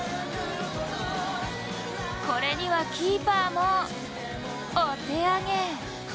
これにはキーパーもお手上げ。